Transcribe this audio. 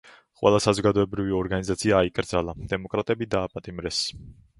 ყველა საზოგადოებრივი ორგანიზაცია აიკრძალა, დემოკრატები დააპატიმრეს.